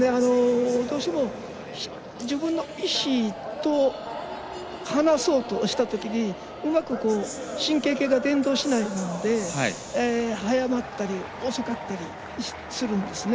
どうしても自分の意思と離そうとしたときにうまく神経系が伝導しないので早まったり遅かったりするんですね。